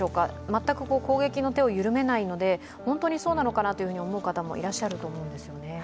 全く攻撃の手を緩めないので、本当にそうなのかなと思う方もいらっしゃると思うんですよね。